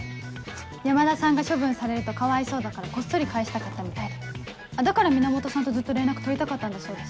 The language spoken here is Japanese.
山田さんが処分されるとかわいそうだからこっそり返したかったみたいでだから源さんとずっと連絡取りたかったんだそうです。